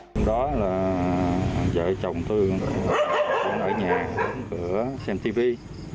hôm đó là vợ chồng tôi ở nhà cửa xem tivi